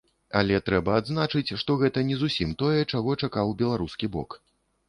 Але трэба адзначыць, што гэта не зусім тое, чаго чакаў беларускі бок.